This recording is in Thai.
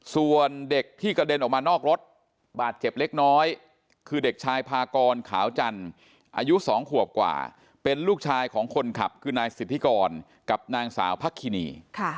ส่วนเด็กที่กระเด็นออกมานอกรถบาดเจ็บเล็กน้อยคือเด็กชายพากรขาวจันทร์อายุ๒ขวบกว่าเป็นลูกชายของคนขับคือนายสิทธิกรกับนางสาวพักคินี